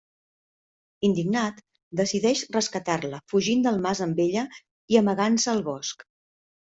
Indignat, decideix rescatar-la fugint del mas amb ella i amagant-se al bosc.